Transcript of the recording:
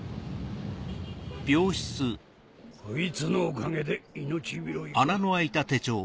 こいつのおかげで命拾いか。